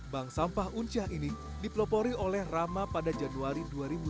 bank sampah unciah ini dipelopori oleh rama pada januari dua ribu sembilan belas